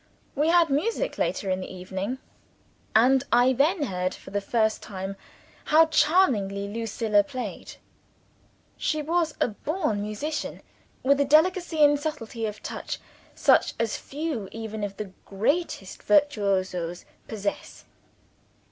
We had music later in the evening and I then heard, for the first time, how charmingly Lucilla played. She was a born musician, with a delicacy and subtlety of touch such as few even of the greatest virtuosi possess.